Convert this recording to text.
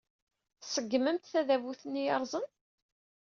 Tṣeggmemt tadabut-nni yerrẓen.